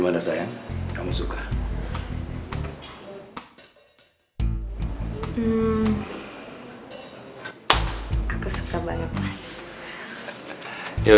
mas lakukan semuanya